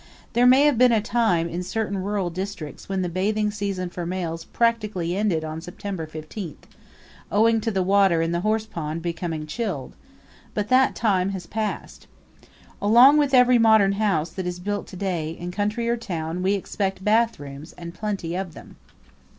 There may have been a time in certain rural districts when the bathing season for males practically ended on September fifteenth, owing to the water in the horsepond becoming chilled; but that time has passed. Along with every modern house that is built to day, in country or town, we expect bathrooms and plenty of them.